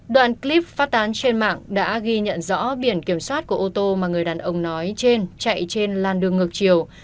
đoạn clip phát tán trên mạng đã ghi nhận rõ biển kiểm soát của ô tô mà người đàn ông nói trên chạy trên làn đường ngược chiều